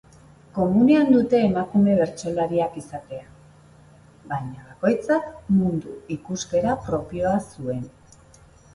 Komunean dute emakume bertsolariak izatea, baina bakoitzak mundu ikuskera propioa zuen.